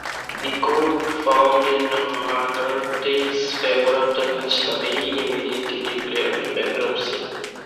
The court found in Hegarty's favour, after which LaVey immediately declared bankruptcy.